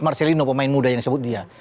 marcelino pemain muda yang disebut dia